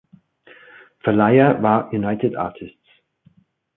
Verleiher war United Artists.